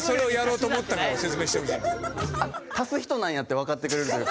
足す人なんやってわかってくれるというか。